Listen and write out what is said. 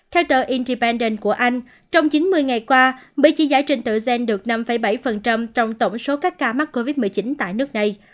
theo tờ independent của anh trong chín mươi ngày qua mỹ chỉ giải trên tựa gen được năm bảy trong tổng số các ca mắc covid một mươi chín tại nước này